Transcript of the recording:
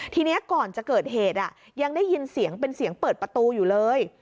ทีนี้ก่อนจะเกิดเหตุยังได้ยินเสียงเป็นเสียงเปิดประตูอยู่เลย